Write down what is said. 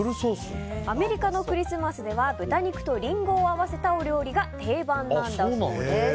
アメリカのクリスマスでは豚肉とリンゴを合わせたお料理が定番なんだそうです。